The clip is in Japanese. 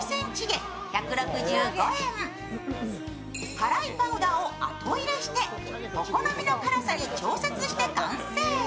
辛いパウダーを後入れしてお好みの辛さに調節して完成。